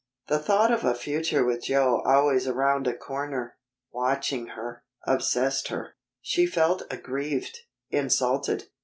The thought of a future with Joe always around a corner, watching her, obsessed her. She felt aggrieved, insulted.